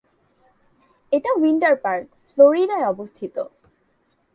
এটা Winter Park, ফ্লোরিডায় অবস্থিত।